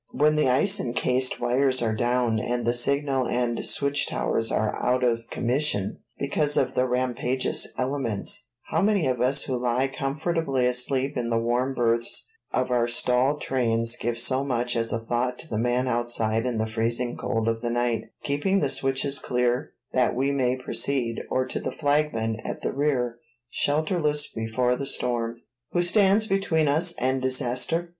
When the ice incased wires are down, and the signal and switch towers are out of commission because of the rampageous elements, how many of us who lie comfortably asleep in the warm berths of our stalled trains give so much as a thought to the man outside in the freezing cold of the night, keeping the switches clear that we may proceed, or to the flagman at the rear, shelterless before the storm, who stands between us and disaster?